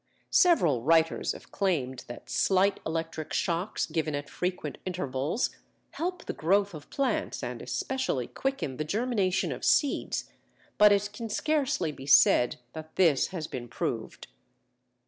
Several writers have claimed that slight electric shocks given at frequent intervals help the growth of plants and especially quicken the germination of seeds, but it can scarcely be said that this has been proved.